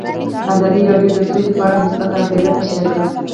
ازادي راډیو د سوله په اړه مثبت اغېزې تشریح کړي.